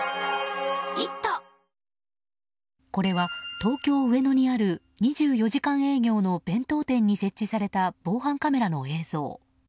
これは東京・上野にある２４時間営業の弁当店に設置された防犯カメラの映像。